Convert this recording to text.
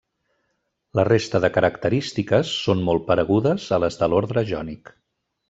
La resta de característiques són molt paregudes a les de l'ordre jònic.